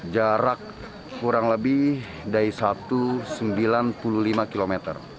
jarak kurang lebih dari satu sembilan puluh lima km